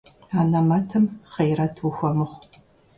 Анэмэтым хъейрэт ухуэмыхъу.